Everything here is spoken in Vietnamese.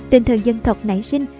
tinh thần dân thộc nảy sinh